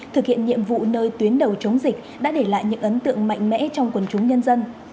thực hiện nhiệm vụ nơi tuyến đầu chống dịch đã để lại những ấn tượng mạnh mẽ trong quần chúng nhân dân